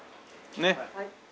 ねっ。